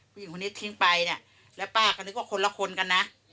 ผู้หญิงคนนี้ทิ้งไปเนี่ยแล้วป้าก็นึกว่าคนละคนกันนะ